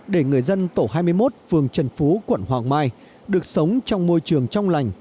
để người dân tổ hai mươi một phường trần phú quận hoàng mai được sống trong môi trường trong lành